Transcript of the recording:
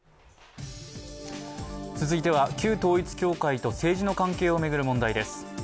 続いては旧統一教会と政治の関係を巡る問題です。